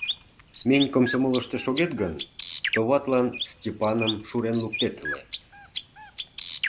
Минь комсомолышто шогет гын, товатлан, Степаным шурен луктет ыле...